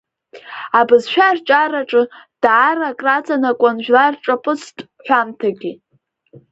Абызшәа арҿиараҿы даараӡа акраҵанакуан жәлар рҿаԥыцтә ҳәамҭагьы.